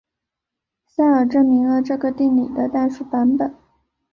塞尔证明了这个定理的代数版本。